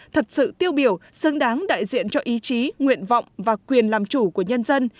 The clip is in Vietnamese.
thật sự tiêu biểu xứng đáng đại diện cho ý chí nguyện vọng và quyền làm chủ của nhân dân